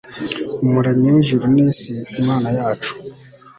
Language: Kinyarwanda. umuremyi w ijuru n isi imanayacu